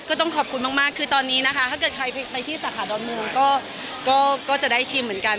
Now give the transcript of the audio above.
ก็ต้องขอบคุณมากคือตอนนี้นะคะถ้าเกิดใครไปที่สาขาดอนเมืองก็จะได้ชิมเหมือนกัน